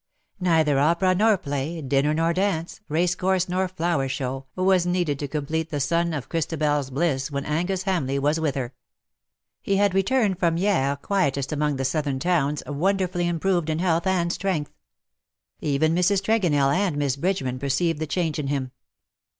Neither ■opera nor play, dinner nor dance, race course nor flower show, was needed to complete the sum of Christabel's bliss when Angus Hamleigh was with her. He had returned from Hyeres, quietest among the southern towns, wonderfully improved in health and strength. Even Mrs. Tregonell and Miss Bridgeman perceived the change in him.